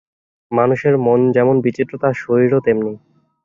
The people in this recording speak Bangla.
মানুষের মন যেমন বিচিত্র, তার শরীরও তেমনি।